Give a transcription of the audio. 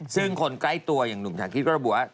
ซึ่งคนใกล้ตัวอย่างหนุ่มทาคิตก็ระบุว่า